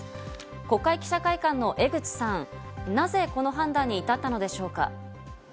国会記者会館の江口さん、なぜこの判断に至ったのでしょうか？